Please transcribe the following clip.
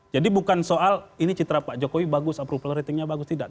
jadi bukan soal ini citra pak jokowi bagus approval ratingnya bagus tidak